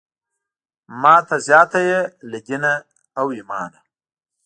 ماته زیاته یې له دینه او ایمانه.